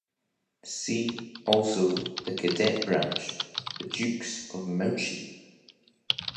See also the cadet branch, the Dukes of Mouchy.